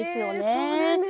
えそうなんですか。